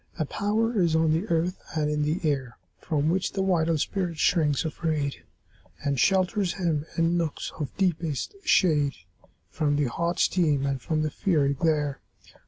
A power is on the earth and in the air From which the vital spirit shrinks afraid, And shelters him, in nooks of deepest shade, From the hot steam and from the fiery glare.